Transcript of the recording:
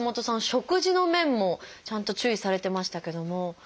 食事の面もちゃんと注意されてましたけども。